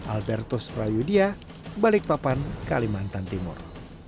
albertus prayudya balikpapan kalimantan timur